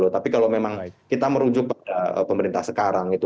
tapi kalau memang kita merujuk pada pemerintah sekarang itu